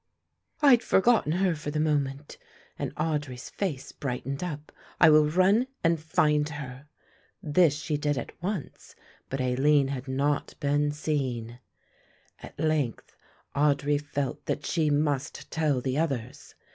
"I had forgotten her for the moment," and Audry's face brightened up. "I will run and find her." This she did at once but Aline had not been seen. At length Audry felt that she must tell the others.